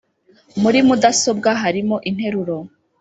muri mudasobwa harimo interuro